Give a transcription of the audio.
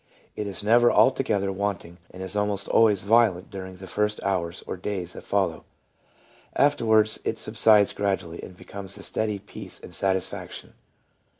It is never alto gether wanting and is almost always violent during the first hours or days that follow ; afterwards it subsides gradually, and becomes a steady peace and satisfaction.